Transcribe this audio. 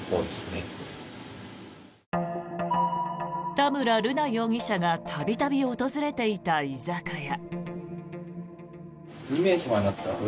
田村瑠奈容疑者が度々訪れていた居酒屋。